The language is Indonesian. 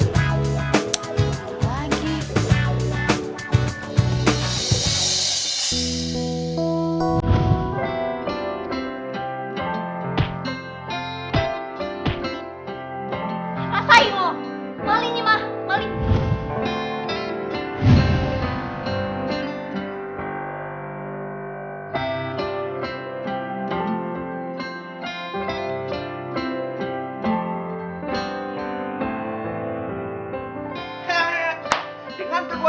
dengan kekuatan naruto